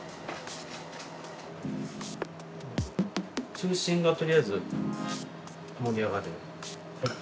中心がとりあえず盛り上がるように。